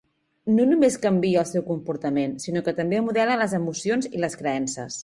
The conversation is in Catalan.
No només canvia el seu comportament, sinó que també modela les emocions i les creences.